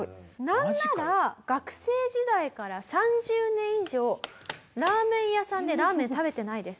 なんなら学生時代から３０年以上ラーメン屋さんでラーメン食べてないです。